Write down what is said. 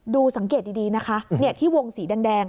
ดูสังเกตดีนะคะเนี่ยที่วงสีแดง